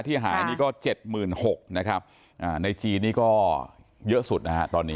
ที่หายนี่ก็๗๖๐๐๐ในจีนก็เยอะสุดนะฮะตอนนี้